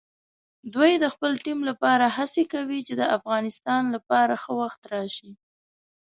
دوی د خپل ټیم لپاره هڅې کوي چې د افغانستان لپاره ښه وخت راشي.